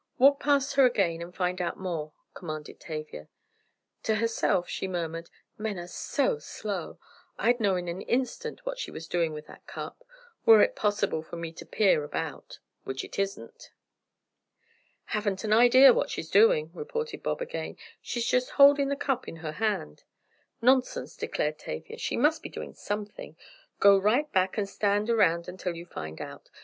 "Walk past her again and find out more," commanded Tavia. To herself she murmured: "Men are so slow, I'd know in an instant what she's doing with that cup, were it possible for me to peer about; which it isn't." "Haven't an idea what she's doing," reported Bob again, "she's just holding the cup in her hand." "Nonsense," declared Tavia, "she must be doing something. Go right straight back and stand around until you find out.